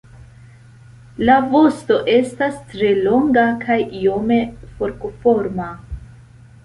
La vosto estas tre longa kaj iome forkoforma.